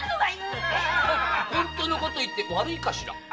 ほんとのこと言って悪いかしら？